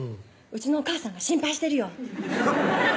「うちのお母さんが心配してるよ」